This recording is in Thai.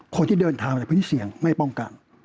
คนที่เดินทางมาจากพื้นที่เสี่ยงไม่ป้องกัน